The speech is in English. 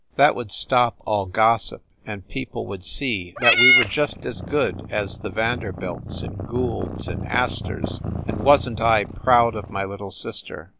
That would stop all gossip, and people would see that we were just as good as the Vanderbilts and Goulds and Astors, and wasn t I proud of my little sister